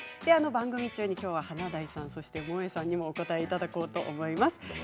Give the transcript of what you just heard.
番組中に華大さん、そして、もえさんにもお答えいただこうと思います。